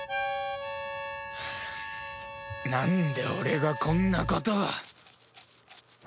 なんで俺がこんなことを！